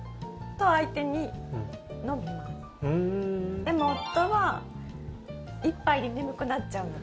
でも夫は１杯で眠くなっちゃうので。